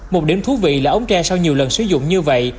một điểm thú vị là ống tre sau nhiều lần sử dụng như vậy